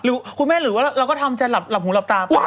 หรือคุณแม่เราก็ทำจะหลับหูหลับตา